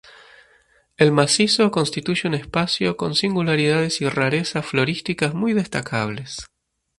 El macizo constituye un espacio con singularidades y rarezas florísticas muy destacables.